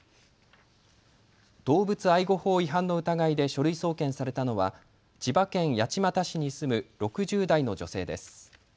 動物愛護法違反の疑いで書類送検されたのは千葉県八街市に住む６０代の女性です。